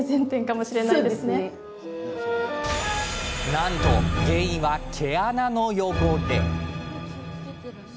なんと原因は、毛穴の汚れ。